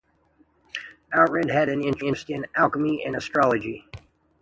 Oughtred had an interest in alchemy and astrology.